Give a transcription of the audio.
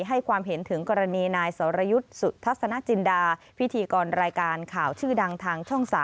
ให้ความเห็นถึงกรณีนายสรยุทธ์สุทัศนจินดาพิธีกรรายการข่าวชื่อดังทางช่อง๓